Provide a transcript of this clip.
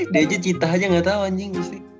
dia aja cita aja gak tau anjing